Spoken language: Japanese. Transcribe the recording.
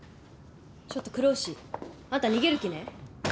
ちょっと黒丑あんた逃げる気ね？